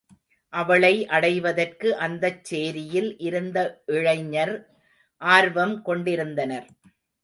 அவளை அடைவதற்கு அந்தச் சேரியில் இருந்த இளைஞர் ஆர்வம் கொண்டிருந்தனர்.